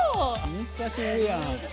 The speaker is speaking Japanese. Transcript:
久しぶりやな。